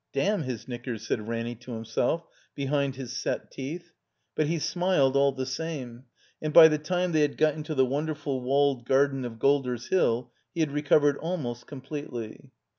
"Damn his knickers," said Ranny to himself, be hind his set teeth. But he smiled all the same ; and 317 THE COMBINED MAZE by the time they had got into the wonderful walled garden of Golder's Hill he had recovered almost completely.